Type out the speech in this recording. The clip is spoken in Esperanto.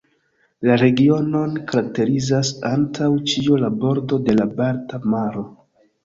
La regionon karakterizas antaŭ ĉio la bordo de la Balta maro.